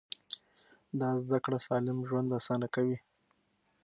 دا زده کړه سالم ژوند اسانه کوي.